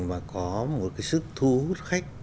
mà có một cái sức thu hút khách